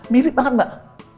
mirip banget mbak